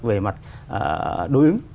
về mặt đối ứng